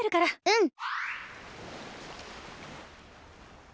うん。